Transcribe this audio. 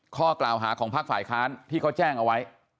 ข้อกล่าวหาของภาคฝ่ายค้านที่เขาแจ้งเอาไว้